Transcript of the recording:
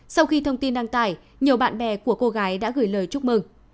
sau khi thông tin đăng tải nhiều bạn bè của cô gái đã gửi lời chúc mừng